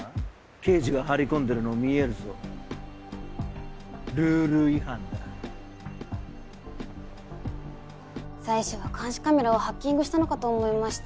刑事が張り込んでるの見えるぞルール違反だ最初は監視カメラをハッキングしたのかと思いました。